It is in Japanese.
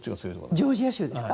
ジョージア州ですか？